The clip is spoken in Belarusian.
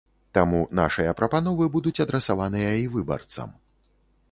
Таму нашыя прапановы будуць адрасаваныя і выбарцам.